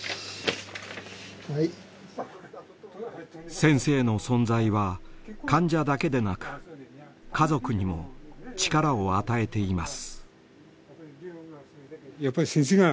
先生の存在は患者だけでなく家族にも力を与えています。